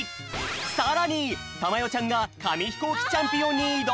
さらにたまよちゃんがかみひこうきチャンピオンにいどむ！